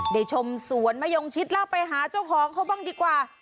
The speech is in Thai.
ชมสวนมะยงชิดแล้วไปหาเจ้าของเขาบ้างดีกว่า